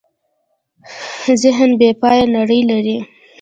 ذهن بېپایه نړۍ لري.